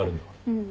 うん。